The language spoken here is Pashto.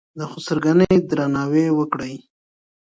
د خسرګنۍ درناوی وکړئ.